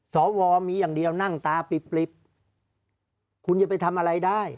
สวมีอย่างเดียวนั่งตาปริบคุณจะไปทำอะไรได้